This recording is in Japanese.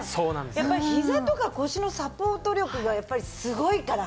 やっぱりひざとか腰のサポート力がすごいから。